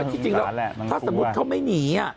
ถ้าสมมุติเขาไม่หนี